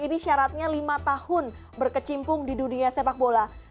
ini syaratnya lima tahun berkecimpung di dunia sepak bola